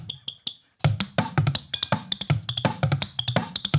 เพื่อสนับสนุนที่สุดท้าย